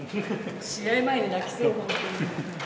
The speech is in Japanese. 試合前に泣きそう、本当に。